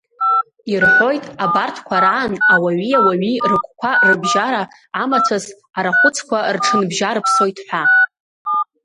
Ирҳәоит, абарҭқәа раан ауаҩи ауаҩи рыгәқәа рыбжьара амацәыс арахәыцқәа рҽынбжьарԥсоит ҳәа.